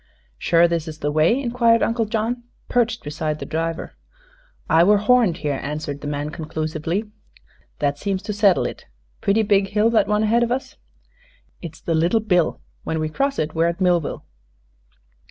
"Sure this is the way?" inquired Uncle John, perched beside the driver. "I were horned here," answered the man, conclusively. "That seems to settle it. Pretty big hill, that one ahead of us." "It's the Little Bill. When we cross it, we're at Millville."